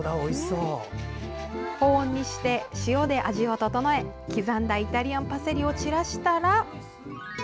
保温にして、塩で味を調え刻んだイタリアンパセリを散らしたら。